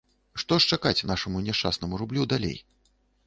Што ж чакаць нашаму няшчаснаму рублю далей?